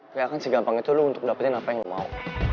gak akan segampang itu lu untuk dapetin apa yang lu mau